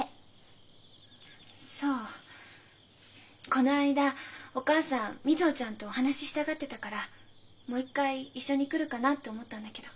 この間お母さん瑞穂ちゃんとお話ししたがってたからもう一回一緒に来るかなって思ったんだけど。